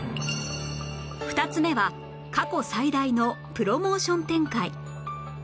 ２つ目は過去最大のプロモーション展開